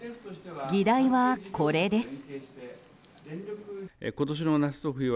議題はこれです。